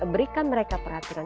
berikan mereka perhatian